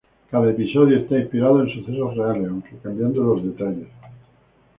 Cada episodio está inspirado en sucesos reales aunque cambiando los detalles.